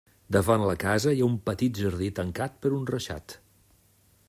Davant la casa hi ha un petit jardí tancat per un reixat.